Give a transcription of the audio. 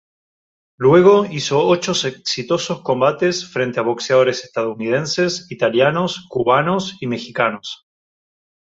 Luego hizo ocho exitosos combates frente a boxeadores estadounidenses, italianos, cubanos y mexicanos.